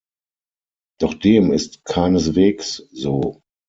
Doch dem ist keineswegs so.